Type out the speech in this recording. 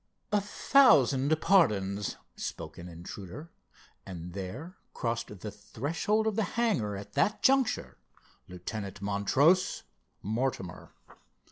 "A thousand pardons," spoke an intruder, and there crossed the threshold of the hangar at that juncture Lieutenant Montrose Mortimer.